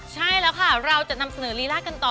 ใช่แล้วค่ะเราจะนำเสนอลีลากันต่อ